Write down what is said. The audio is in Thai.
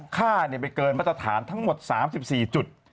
ค่าไม่เกินมาตรฐานทั้งหมด๓๔จุด